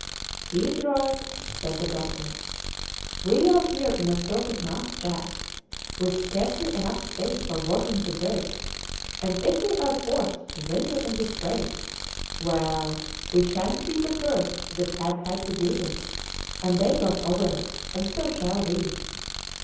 "He's right," said the doctor; "we are here in a sort of mousetrap, with scarcely enough space for working the brig, and if we are forced to winter in the strait!... Well, we shan't be the first that have had to do it, and they got over it, and so shall we."